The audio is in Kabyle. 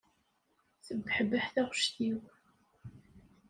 Tebbeḥbeḥ taɣect-iw.